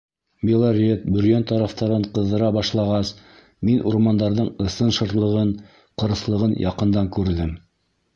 Белорет, Бөрйән тарафтарын ҡыҙыра башлағас, мин урмандарҙың ысын шырлығын, ҡырыҫлығын яҡындан күрҙем.